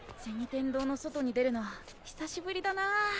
天堂の外に出るのは久しぶりだな。